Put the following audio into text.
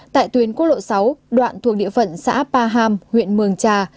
tại tuyến quốc lộ sáu đoạn thuộc địa phận xã pa hàm huyện mường trà